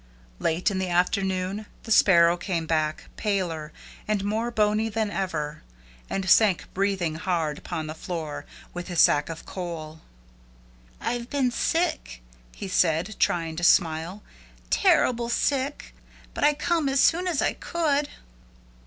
Late in the afternoon the Sparrow came back, paler, and more bony than ever, and sank, breathing hard, upon the floor, with his sack of coal. "I've been sick," he said, trying to smile. "Terrible sick, but I come as soon as I could."